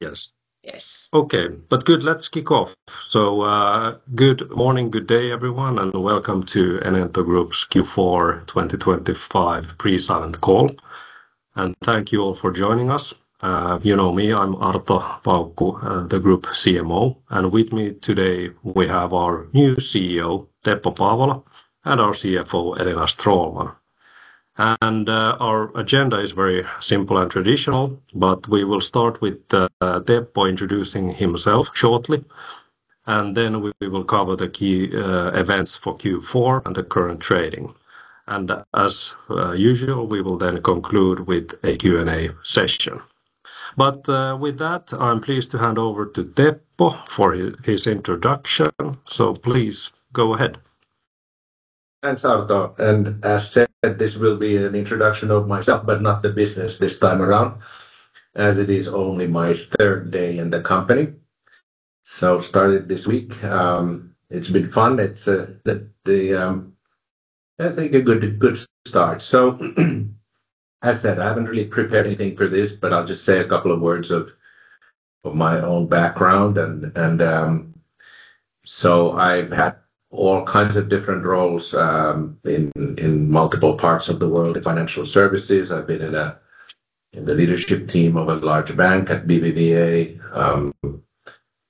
Yes. Okay, good. Let's kick off. So, good morning, good day, everyone, and welcome to Enento Group's Q4 2025 pre-silent call. And thank you all for joining us. You know me, I'm Arto Paukku, the group CMO, and with me today we have our new CEO, Teppo Paavola, and our CFO, Elina Stråhlman. And our agenda is very simple and traditional, but we will start with Teppo introducing himself shortly, and then we will cover the key events for Q4 and the current trading. And as usual, we will then conclude with a Q&A session. But with that, I'm pleased to hand over to Teppo for his introduction, so please go ahead. Thanks, Arto. And as said, this will be an introduction of myself, but not the business this time around, as it is only my third day in the company. So started this week. It's been fun. It's, I think, a good start. So, as said, I haven't really prepared anything for this, but I'll just say a couple of words of my own background. And so I've had all kinds of different roles in multiple parts of the world in the financial services. I've been in the leadership team of a large bank at BBVA,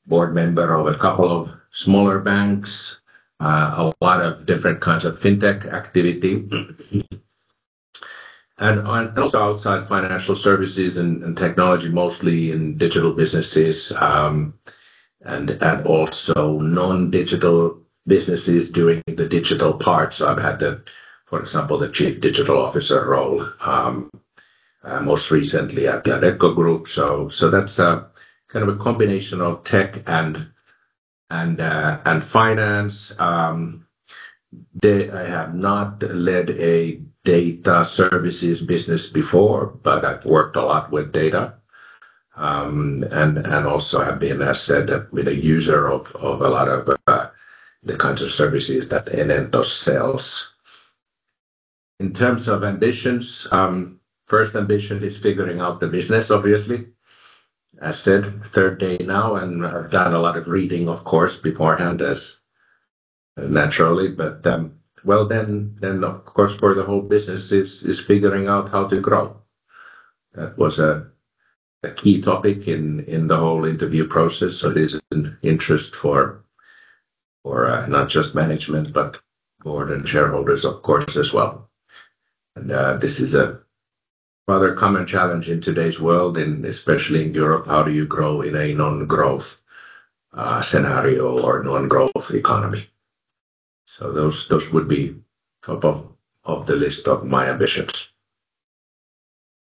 board member of a couple of smaller banks, a lot of different kinds of fintech activity. And also outside financial services and technology, mostly in digital businesses, and also non-digital businesses doing the digital part. I've had the, for example, Chief Digital Officer role, most recently at the Adecco Group. So that's kind of a combination of tech and finance. I have not led a data services business before, but I've worked a lot with data and also have been, as said, a user of a lot of the kinds of services that Enento sells. In terms of ambitions, first ambition is figuring out the business, obviously. As said, third day now, and I've done a lot of reading, of course, beforehand, as naturally, but well, then of course for the whole business is figuring out how to grow. That was a key topic in the whole interview process. So there's an interest for not just management, but board and shareholders, of course, as well. This is a rather common challenge in today's world, and especially in Europe. How do you grow in a non-growth scenario or non-growth economy? Those would be top of the list of my ambitions.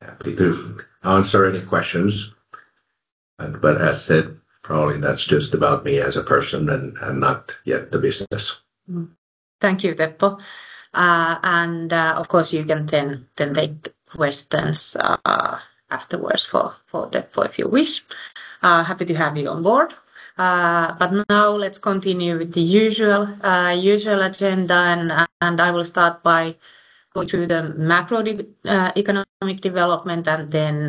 Happy to answer any questions. But as said, probably that's just about me as a person and not yet the business. Thank you, Teppo. And of course you can then take questions afterwards for Teppo if you wish. Happy to have you on board. But now let's continue with the usual agenda, and I will start by going through the macroeconomic development and then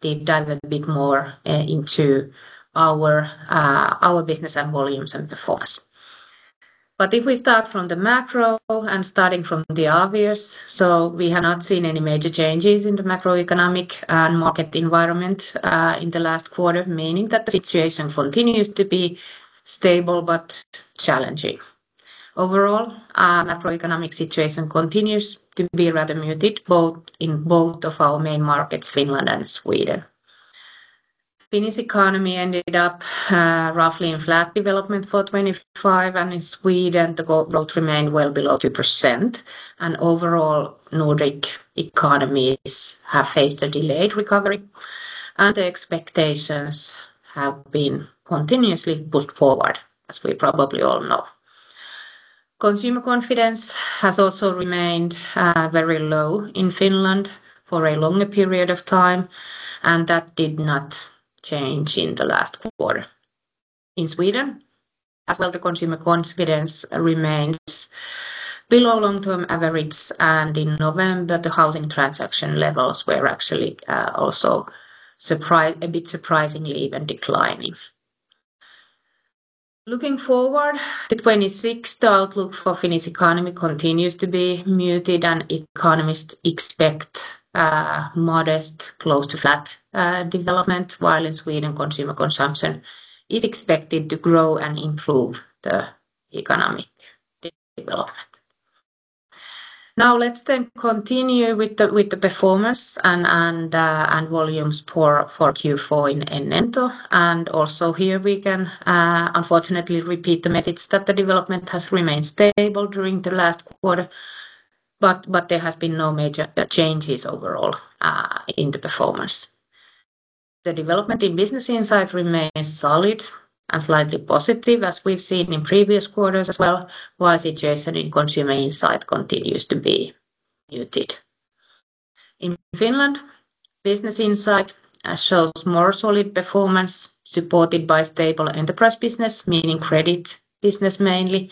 deep dive a bit more into our business and volumes and performance. But if we start from the macro and starting from the obvious, so we have not seen any major changes in the macroeconomic and market environment in the last quarter, meaning that the situation continues to be stable but challenging. Overall, macroeconomic situation continues to be rather muted both in our main markets, Finland and Sweden. Finnish economy ended up roughly in flat development for 2025, and in Sweden, the growth remained well below 2%. Overall, Nordic economies have faced a delayed recovery, and the expectations have been continuously pushed forward, as we probably all know. Consumer confidence has also remained very low in Finland for a longer period of time, and that did not change in the last quarter. In Sweden, as well, the consumer confidence remains below long-term averages, and in November, the housing transaction levels were actually also surprising, a bit surprisingly, even declining. Looking forward to 2026, the outlook for Finnish economy continues to be muted, and economists expect modest, close to flat, development, while in Sweden, consumer consumption is expected to grow and improve the economic development. Now let's then continue with the performance and volumes for Q4 in Enento. Also here we can, unfortunately, repeat the message that the development has remained stable during the last quarter, but there has been no major changes overall in the performance. The development in Business Insight remains solid and slightly positive, as we've seen in previous quarters as well, while the situation in Consumer Insight continues to be muted. In Finland, Business Insight shows more solid performance supported by stable enterprise business, meaning credit business mainly,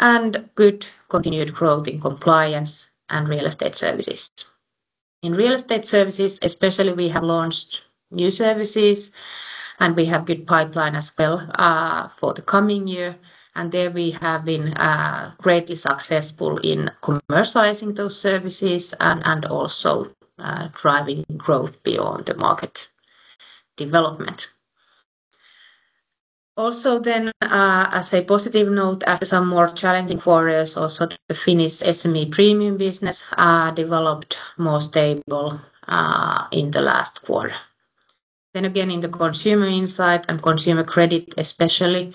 and good continued growth in compliance and real estate services. In real estate services, especially, we have launched new services, and we have good pipeline as well for the coming year. There we have been greatly successful in commercializing those services and also driving growth beyond the market development. Also then, as a positive note, after some more challenging quarters, also the Finnish SME premium business developed more stable in the last quarter. Then again, in the Consumer Insight and consumer credit especially,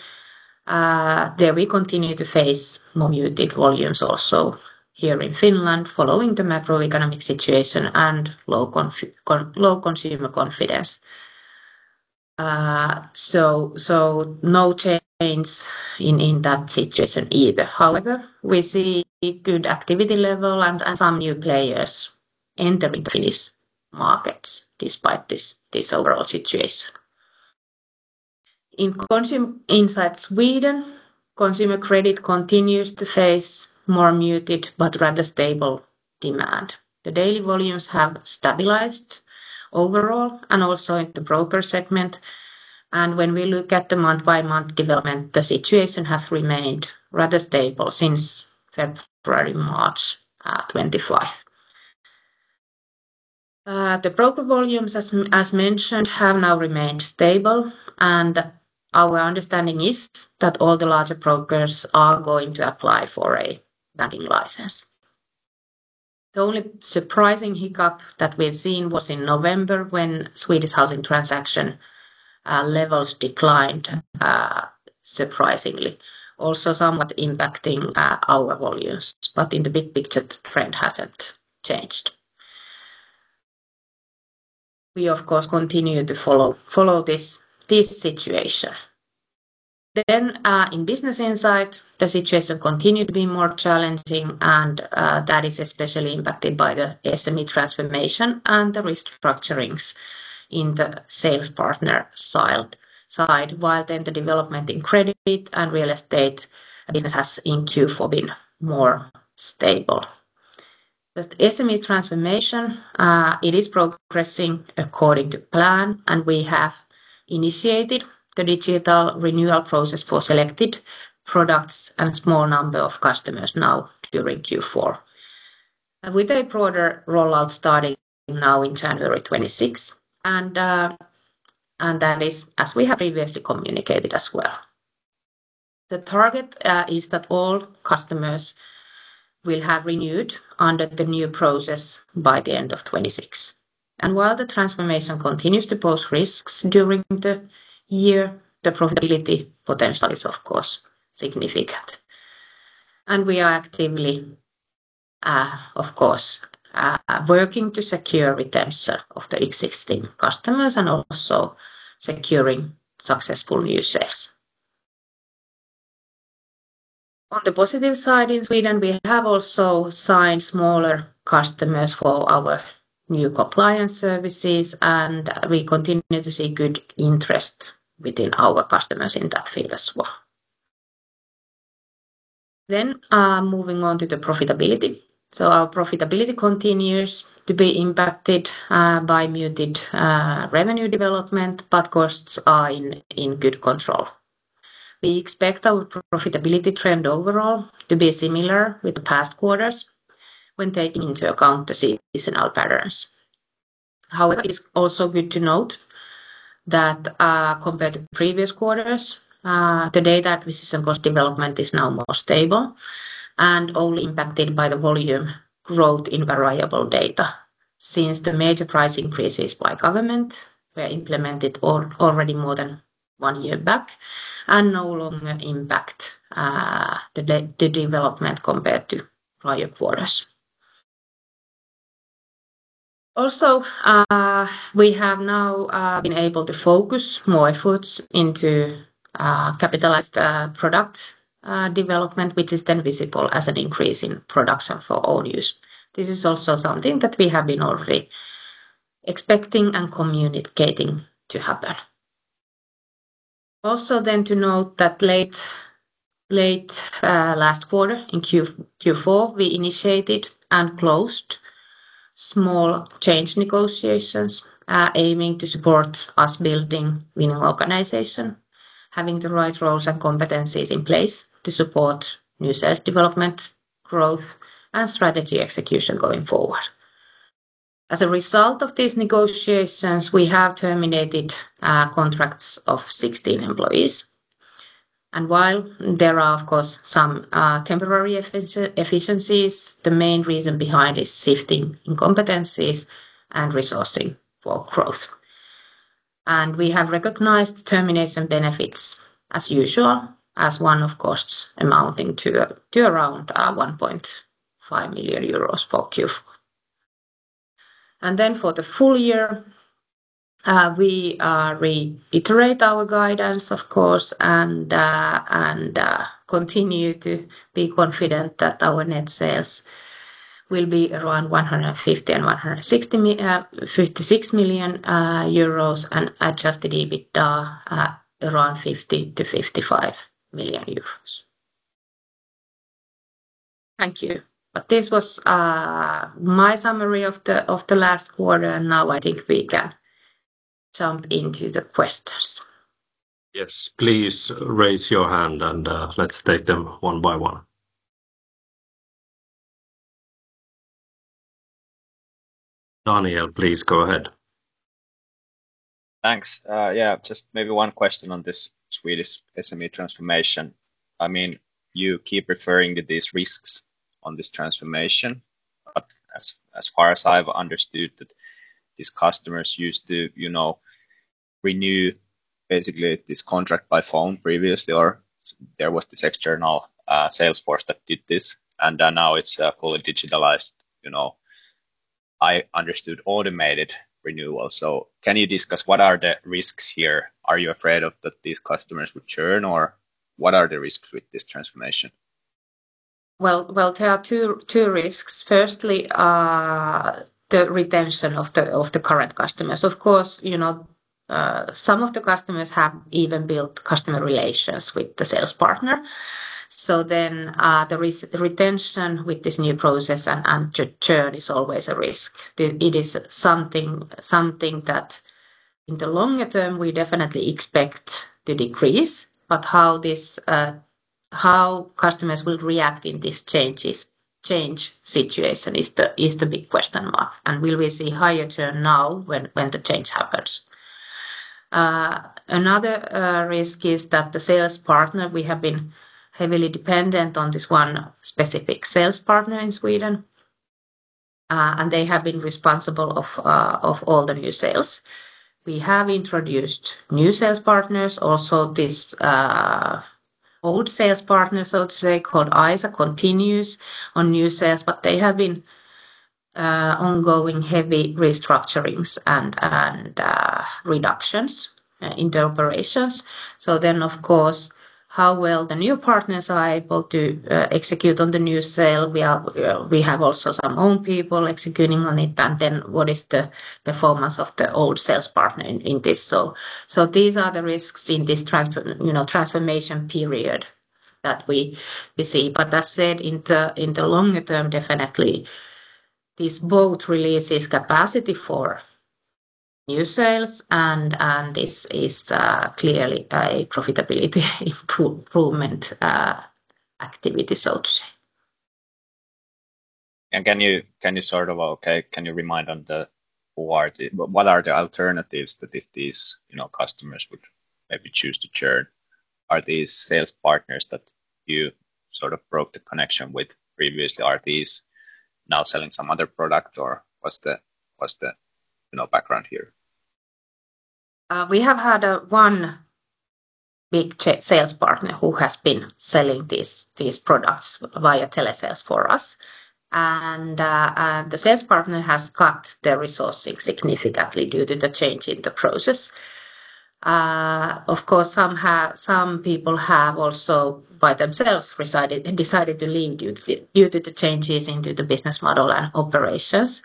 there we continue to face more muted volumes also here in Finland following the macroeconomic situation and low consumer confidence. So no change in that situation either. However, we see good activity level and some new players entering Finnish markets despite this overall situation. In Consumer Insight, Sweden, consumer credit continues to face more muted but rather stable demand. The daily volumes have stabilized overall and also in the broker segment. And when we look at the month-by-month development, the situation has remained rather stable since February, March, 2025. The broker volumes, as mentioned, have now remained stable, and our understanding is that all the larger brokers are going to apply for a vetting license. The only surprising hiccup that we've seen was in November when Swedish housing transaction levels declined, surprisingly, also somewhat impacting our volumes, but in the big picture, the trend hasn't changed. We, of course, continue to follow this situation. Then, in Business Insight, the situation continues to be more challenging, and that is especially impacted by the SME Transformation and the restructurings in the sales partner side, while then the development in credit and real estate business has in Q4 been more stable. The SME Transformation, it is progressing according to plan, and we have initiated the digital renewal process for selected products and a small number of customers now during Q4, with a broader rollout starting now in January 2026, and that is, as we have previously communicated as well. The target is that all customers will have renewed under the new process by the end of 2026. And while the transformation continues to pose risks during the year, the profitability potential is, of course, significant. And we are actively, of course, working to secure retention of the existing customers and also securing successful new sales. On the positive side in Sweden, we have also signed smaller customers for our new compliance services, and we continue to see good interest within our customers in that field as well. Then, moving on to the profitability. So our profitability continues to be impacted by muted revenue development, but costs are in good control. We expect our profitability trend overall to be similar with the past quarters when taking into account the seasonal patterns. However, it's also good to note that, compared to previous quarters, the data acquisition cost development is now more stable and only impacted by the volume growth in variable data since the major price increases by government were implemented already more than one year back and no longer impact the development compared to prior quarters. Also, we have now been able to focus more efforts into capitalized product development, which is then visible as an increase in production for own use. This is also something that we have been already expecting and communicating to happen. Also then to note that late last quarter in Q4, we initiated and closed small change negotiations, aiming to support us building winning organization, having the right roles and competencies in place to support new sales development, growth, and strategy execution going forward. As a result of these negotiations, we have terminated contracts of 16 employees, and while there are of course some temporary efficiencies, the main reason behind is shifting in competencies and resourcing for growth, and we have recognized termination benefits as usual, as one-off costs amounting to around 1.5 million euros for Q4. And then for the full year, we reiterate our guidance of course and continue to be confident that our net sales will be around 150 to 156 million euros and Adjusted EBITDA around 50 to 55 million euros. Thank you, but this was my summary of the last quarter, and now I think we can jump into the questions. Yes, please raise your hand and let's take them one by one. Daniel, please go ahead. Thanks. Yeah, just maybe one question on this Swedish SME Transformation. I mean, you keep referring to these risks on this transformation, but as far as I've understood, these customers used to, you know, renew basically this contract by phone previously, or there was this external sales force that did this, and now it's fully digitalized, you know. I understood automated renewal. So can you discuss what are the risks here? Are you afraid of that these customers would churn, or what are the risks with this transformation? Well, there are two risks. Firstly, the retention of the current customers. Of course, you know, some of the customers have even built customer relations with the sales partner. So then, the retention with this new process and to churn is always a risk. It is something that in the longer term, we definitely expect to decrease. But how customers will react in this change situation is the big question mark. And will we see higher churn now when the change happens? Another risk is that the sales partner we have been heavily dependent on, this one specific sales partner in Sweden, and they have been responsible of all the new sales. We have introduced new sales partners. Also, this old sales partner, so to say, called ISA, continues on new sales, but they have been ongoing heavy restructurings and reductions in their operations. So then, of course, how well the new partners are able to execute on the new sale. We have also some own people executing on it. Then what is the performance of the old sales partner in this? These are the risks in this transfer, you know, transformation period that we see. But as said, in the longer term, definitely this both releases capacity for new sales, and this is clearly a profitability improvement activity, so to say. Can you sort of remind on the, what are the alternatives that if these, you know, customers would maybe choose to churn? Are these sales partners that you sort of broke the connection with previously, are these now selling some other product, or what's the, you know, background here? We have had one big sales partner who has been selling these products via telesales for us. The sales partner has cut their resourcing significantly due to the change in the process. Of course, some people have also resigned by themselves and decided to leave due to the changes in the business model and operations.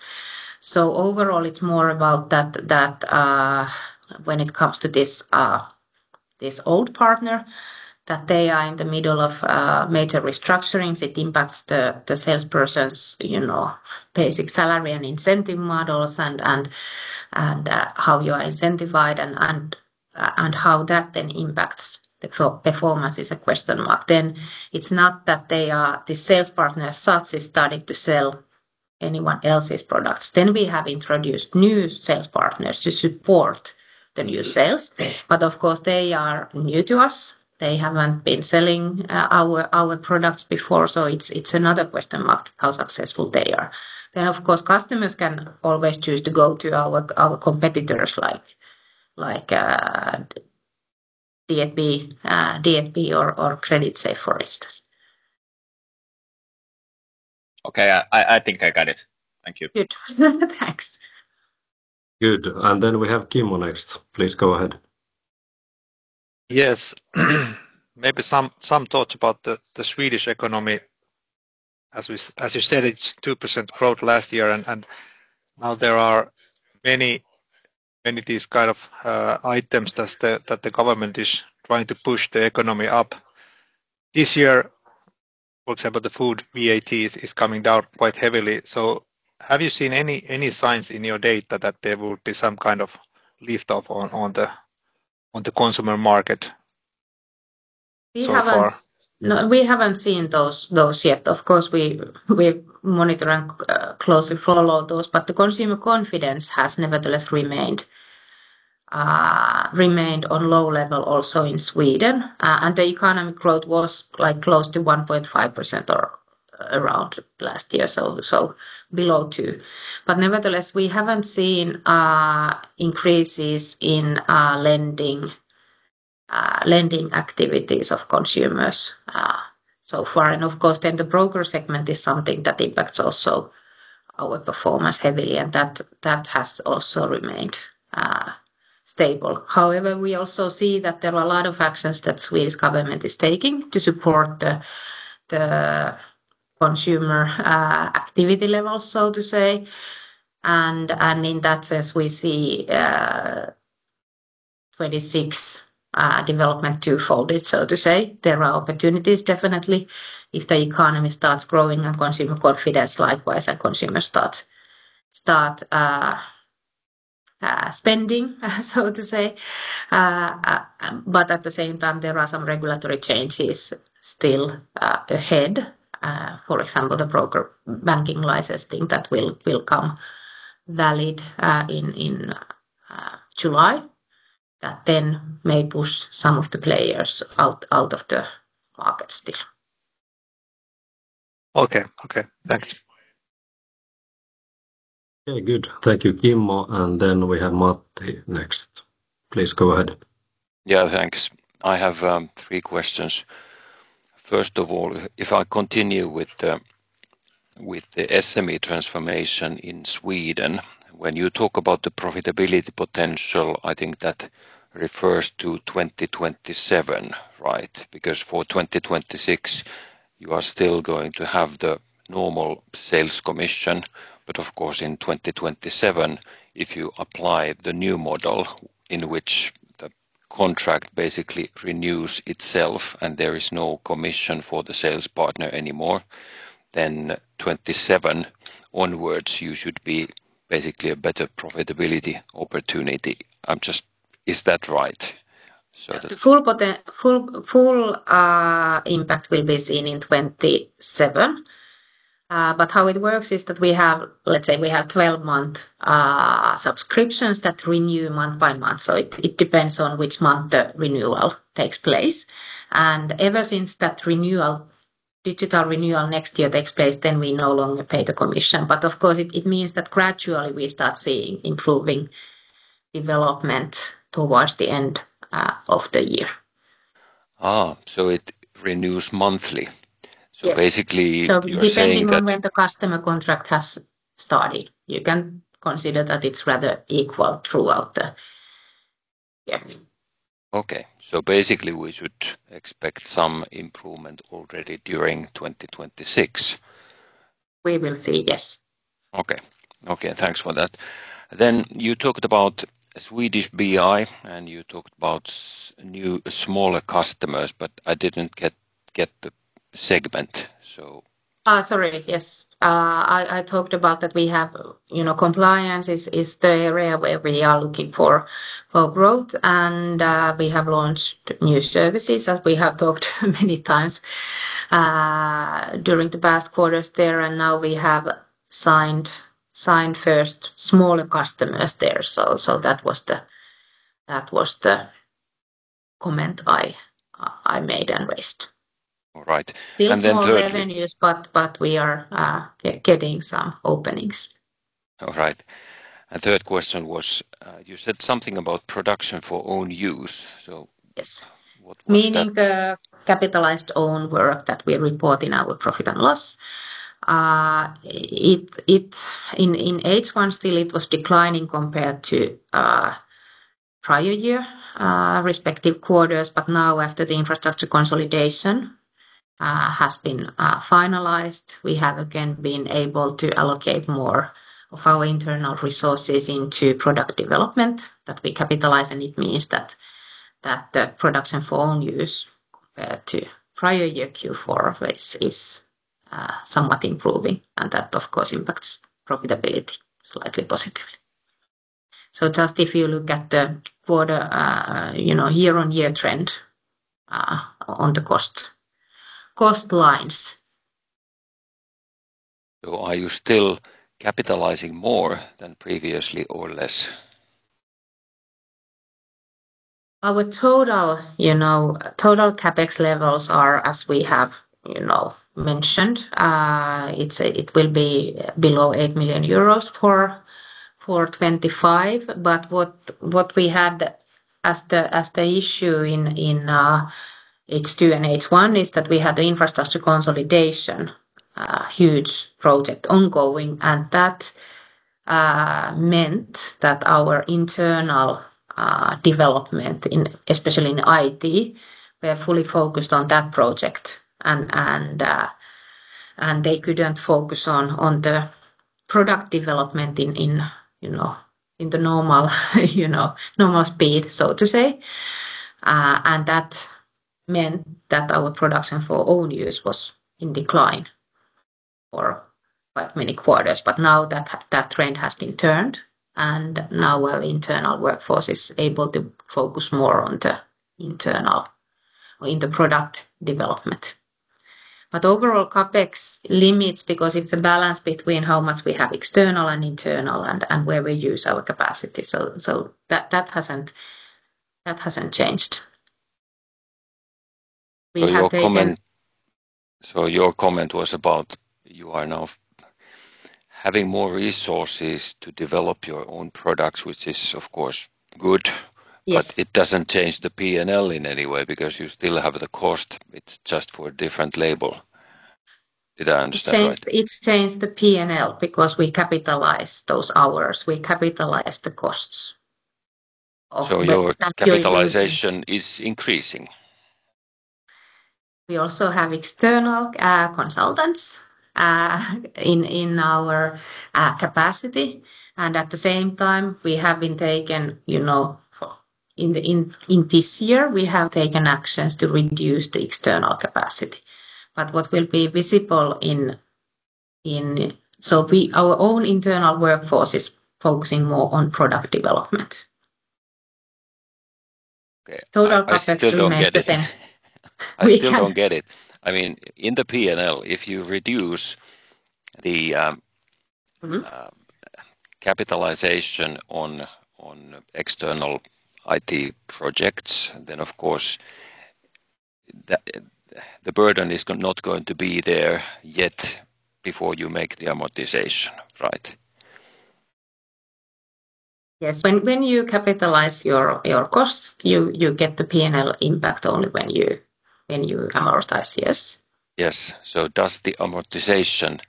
Overall, it's more about that when it comes to this old partner that they are in the middle of major restructurings. It impacts the salesperson's, you know, basic salary and incentive models and how you are incentivized and how that then impacts the performance is a question mark. It's not that the sales partner is starting to sell anyone else's products. Then we have introduced new sales partners to support the new sales, but of course, they are new to us. They haven't been selling our products before. So it's another question mark how successful they are. Then, of course, customers can always choose to go to our competitors like D&B or Creditsafe, for instance. Okay, I think I got it. Thank you. Good. Thanks. Good. And then we have Kimmo next. Please go ahead. Yes, maybe some thoughts about the Swedish economy. As you said, it's 2% growth last year, and now there are many of these kind of items that the government is trying to push the economy up. This year, for example, the food VAT is coming down quite heavily. So have you seen any signs in your data that there would be some kind of lift-off on the consumer market? We haven't seen those yet. Of course, we monitor and closely follow those, but the consumer confidence has nevertheless remained on low level also in Sweden, and the economic growth was like close to 1.5% or around last year, so below 2. But nevertheless, we haven't seen increases in lending activities of consumers so far, and of course, then the broker segment is something that impacts also our performance heavily, and that has also remained stable. However, we also see that there are a lot of actions that Swedish government is taking to support the consumer activity levels, so to say, and in that sense, we see 2026 development twofold, so to say. There are opportunities definitely if the economy starts growing and consumer confidence likewise and consumers start spending, so to say. But at the same time, there are some regulatory changes still ahead. For example, the broker banking licensing that will become valid in July that then may push some of the players out of the market still. Okay, okay. Thanks. Okay, good. Thank you, Kimmo. And then we have Matti next. Please go ahead. Yeah, thanks. I have three questions. First of all, if I continue with the SME Transformation in Sweden, when you talk about the profitability potential, I think that refers to 2027, right? Because for 2026, you are still going to have the normal sales commission. But of course, in 2027, if you apply the new model in which the contract basically renews itself and there is no commission for the sales partner anymore, then 2027 onwards, you should be basically a better profitability opportunity. I'm just, is that right? Full impact will be seen in 2027, but how it works is that we have, let's say, 12-month subscriptions that renew month by month, so it depends on which month the renewal takes place. And ever since that renewal digital renewal next year takes place, then we no longer pay the commission, but of course it means that gradually we start seeing improving development towards the end of the year. So it renews monthly. So basically. So with the renewal when the customer contract has started, you can consider that it's rather equal throughout the year. Okay. So basically, we should expect some improvement already during 2026. We will see, yes. Okay. Okay. Thanks for that. Then you talked about Swedish BI and you talked about new smaller customers, but I didn't get the segment, so. Oh, sorry. Yes, I talked about that we have, you know, compliance is the area where we are looking for growth. And we have launched new services that we have talked many times during the past quarters there. And now we have signed first smaller customers there. So that was the comment I made and raised. All right. Still some more avenues, but we are getting some openings. All right, and third question was, you said something about production for own use. So. Yes. What was that? Meaning the capitalized own work that we report in our profit and loss. It in H1 still was declining compared to prior year respective quarters. But now, after the infrastructure consolidation has been finalized, we have again been able to allocate more of our internal resources into product development that we capitalize. And it means that the production for own use compared to prior year Q4 is somewhat improving. And that, of course, impacts profitability slightly positively. So just if you look at the quarter, you know, year-on-year trend on the cost lines. So are you still capitalizing more than previously or less? Our total, you know, CapEx levels are, as we have, you know, mentioned. It will be below 8 million euros for 2025. But what we had as the issue in H2 and H1 is that we had the infrastructure consolidation, huge project ongoing. And that meant that our internal development, especially in IT, we were fully focused on that project. And they couldn't focus on the product development in, you know, the normal speed, so to say. And that meant that our production for own use was in decline for quite many quarters. But now that trend has been turned and now our internal workforce is able to focus more on the internal or in the product development. But overall, CapEx limits because it's a balance between how much we have external and internal and where we use our capacity. So that hasn't changed. So your comment was about you are now having more resources to develop your own products, which is, of course, good. Yes. But it doesn't change the P&L in any way because you still have the cost. It's just for a different label. Did I understand that? It changed, it changed the P&L because we capitalize those hours. We capitalize the costs. Your capitalization is increasing. We also have external consultants in our capacity. And at the same time, you know, in this year, we have taken actions to reduce the external capacity. But what will be visible is our own internal workforce is focusing more on product development. Okay. Total CapEx remains the same. I still don't get it. I mean, in the P&L, if you reduce the capitalization on external IT projects, then of course, the burden is not going to be there yet before you make the amortization, right? Yes. When you capitalize your cost, you get the P&L impact only when you amortize, yes. Yes. So does the amortization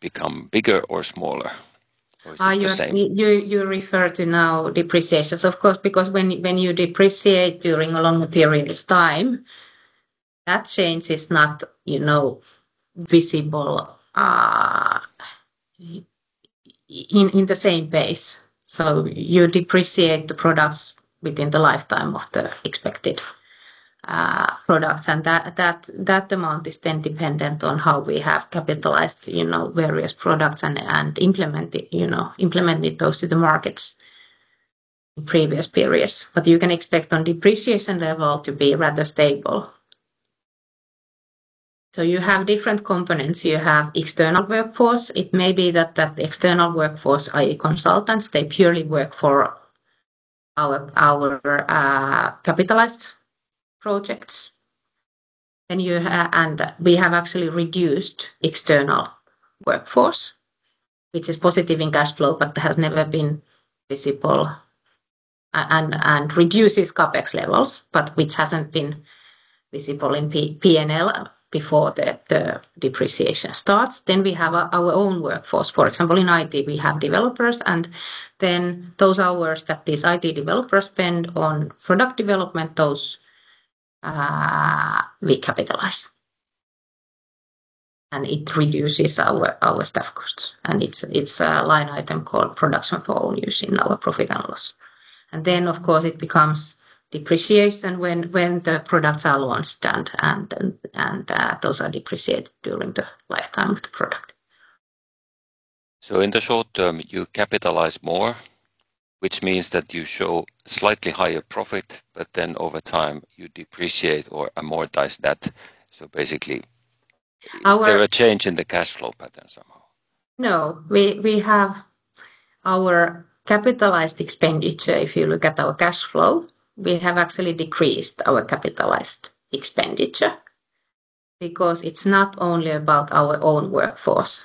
become bigger or smaller or is it the same? Are you referring to depreciations now, of course, because when you depreciate during a long period of time, that change is not, you know, visible in the same pace. So you depreciate the products within the lifetime of the expected products. And that amount is then dependent on how we have capitalized, you know, various products and implemented, you know, those to the markets in previous periods. But you can expect the depreciation level to be rather stable. So you have different components. You have external workforce. It may be that external workforce, i.e., consultants, they purely work for our capitalized projects. Then we have actually reduced external workforce, which is positive in cash flow, but has never been visible and reduces CapEx levels, but which hasn't been visible in P&L before the depreciation starts. Then we have our own workforce. For example, in IT, we have developers. And then those hours that these IT developers spend on product development, those we capitalize. And it reduces our staff costs. And it's a line item called production for own use in our profit and loss. And then, of course, it becomes depreciation when the products are launched and those are depreciated during the lifetime of the product. So in the short term, you capitalize more, which means that you show slightly higher profit, but then over time you depreciate or amortize that. So basically. Our. Is there a change in the cash flow pattern somehow? No. We have our capitalized expenditure. If you look at our cash flow, we have actually decreased our capitalized expenditure because it's not only about our own workforce.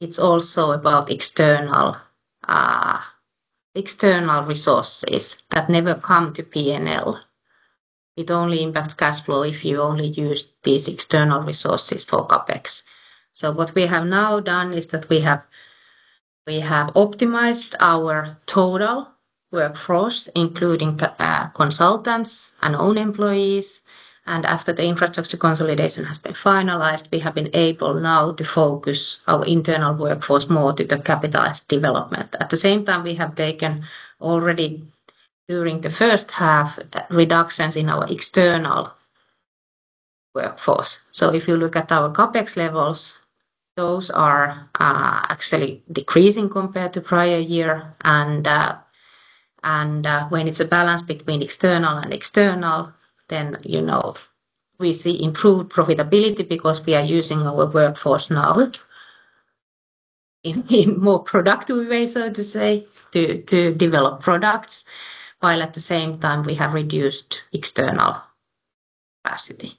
It's also about external resources that never come to P&L. It only impacts cash flow if you only use these external resources for CapEx. So what we have now done is that we have optimized our total workforce, including consultants and own employees, and after the infrastructure consolidation has been finalized, we have been able now to focus our internal workforce more to the capitalized development. At the same time, we have taken already during the first half reductions in our external workforce. So if you look at our CapEx levels, those are actually decreasing compared to prior year. When it's a balance between external and external, then, you know, we see improved profitability because we are using our workforce now in more productive ways, so to say, to develop products. While at the same time, we have reduced external capacity.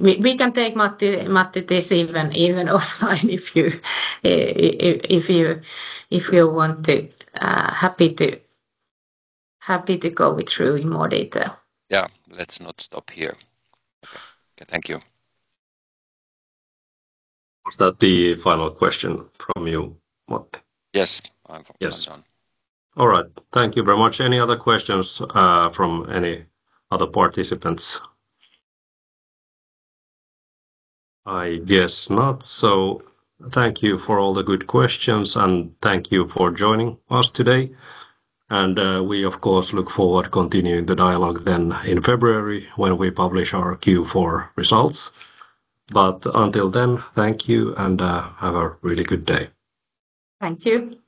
We can take this, Matti, even offline if you want to. Happy to go through in more detail. Yeah. Let's not stop here. Thank you. Was that the final question from you, Matti? Yes. Yes. All right. Thank you very much. Any other questions from any other participants? I guess not. So thank you for all the good questions and thank you for joining us today. And we, of course, look forward to continuing the dialogue then in February when we publish our Q4 results. But until then, thank you and have a really good day. Thank you. Thank you.